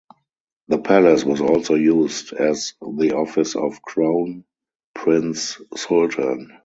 The palace was also used as the office of Crown Prince Sultan.